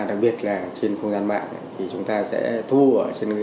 đặc biệt là trên không gian mạng thì chúng ta sẽ thu ở trên người